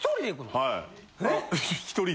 はい。